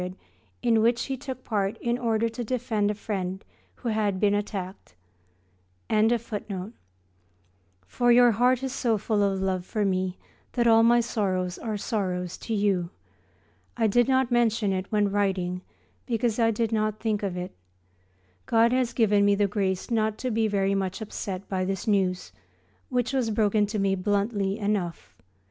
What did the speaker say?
_ I know well, my dearest Sister, how deeply you felt the news of my son's accident,[A] for your heart is so full of love for me that all my sorrows are sorrows to you. I did not mention it when writing because I did not think of it. God has given me the grace not to be very much upset by this news, which was broken to me bluntly enough.